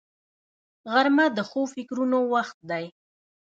غرمه د ښو فکرونو وخت دی